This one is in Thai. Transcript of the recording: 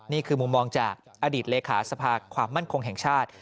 นี่คือมุมมองจากอดีตเลขาสภาความมั่นคงแห่งชาติ